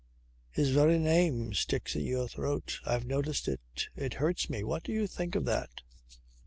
"His very name sticks in your throat. I've noticed it. It hurts me. What do you think of that?